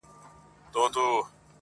يوه بوډا په ساندو، ساندو ژړل!!